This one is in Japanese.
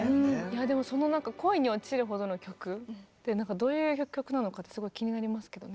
でもその恋に落ちるほどの曲ってどういう曲なのかってすごい気になりますけどね。